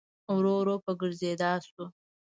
ورو ورو په ګرځېدا سو.